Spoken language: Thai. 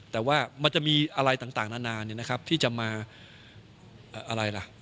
แต่ว่ามันจะมีอะไรต่างนานที่จะมา